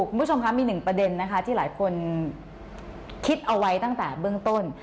คุณผู้ชมคะมีหนึ่งประเด็นนะคะที่หลายคนคิดเอาไว้ตั้งแต่เบื้องต้น